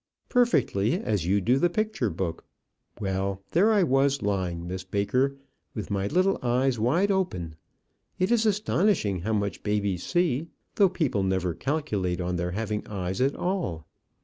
"Perfectly, as you do the picture book. Well, there I was lying, Miss Baker, with my little eyes wide open. It is astonishing how much babies see, though people never calculate on their having eyes at all.